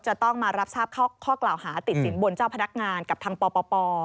จะต้องมารับทราบข้อกล่าวหาติดสินบนเจ้าพนักงานกับทางปป